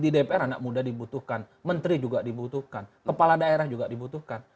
di dpr anak muda dibutuhkan menteri juga dibutuhkan kepala daerah juga dibutuhkan